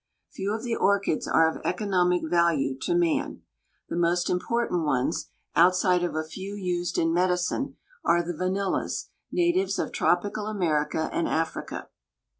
Few of the orchids are of economic value to man. The most important ones, outside of a few used in medicine, are the vanillas, natives of tropical America and Africa.